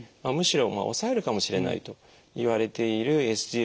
むしろ抑えるかもしれないといわれているＳＧＬＴ